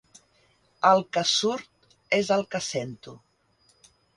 El que surt és el que sento.